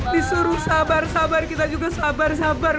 disuruh sabar sabar kita juga sabar sabar